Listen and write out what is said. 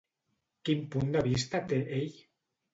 Quin punt de vista té ell?